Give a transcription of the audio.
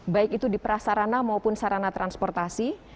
baik itu di prasarana maupun sarana transportasi